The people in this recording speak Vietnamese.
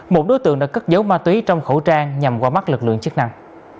một đối tượng đã cất giấu ma túy trong khẩu trang nhằm qua mắt lực lượng chức năng